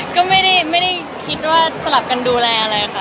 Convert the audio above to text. ก็ไม่ได้คิดว่าสลับกันดูแลอะไรค่ะ